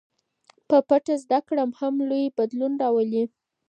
په پټه زده کړه هم لوی بدلون راولي.